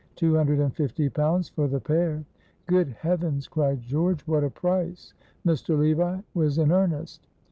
"Two hundred and fifty pounds for the pair." "Good Heavens," cried George, "what a price! Mr. Levi was in earnest."